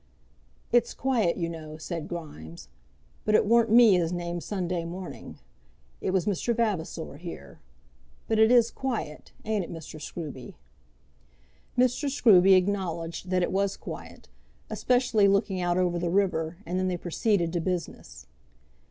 "It's quiet, you know," said Grimes. "But it warn't me as named Sunday morning. It was Mr. Vavasor here. But it is quiet; ain't it, Mr. Scruby?" Mr. Scruby acknowledged that it was quiet, especially looking out over the river, and then they proceeded to business.